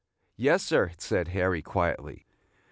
"Yes, sir," said Harry, quietly.